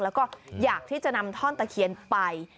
แล้วก็อยากที่จะนำท่อนตะเคียนไป